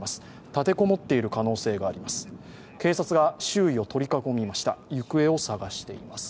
立てこもっている可能性があります。